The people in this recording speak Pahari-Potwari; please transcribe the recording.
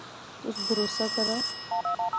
تس بھروسہ کرا